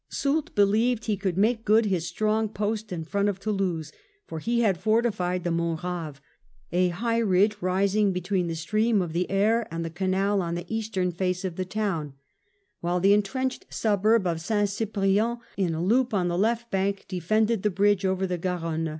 Soult believed he could make good his strong post in front of Toulouse ; for he had fortified the Mont Eave, a high ridge rising between the stream of the Ers and the canal on the eastern face of the town, while the VIII BATTLE OF TOULOUSE 195 entrenched suburb of St. Cyprien in a loop on the left bank defended the bridge over the Garonne.